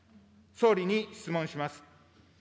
総理に質問します。